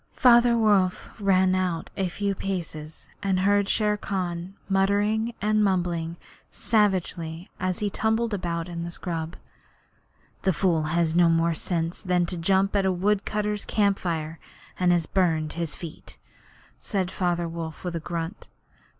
Father Wolf ran out a few paces and heard Shere Khan muttering and mumbling savagely, as he tumbled about in the scrub. 'The fool has had no more sense than to jump at a woodcutters' camp fire, and has burned his feet,' said Father Wolf, with a grunt.